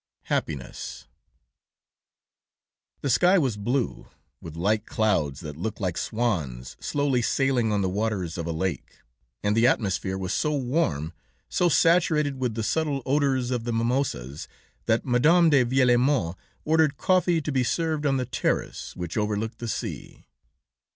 HAPPINESS The sky was blue, with light clouds that looked like swans slowly sailing on the waters of a lake, and the atmosphere was so warm, so saturated with the subtle odors of the mimosas, that Madame de Viellemont ordered coffee to be served on the terrace which overlooked the sea.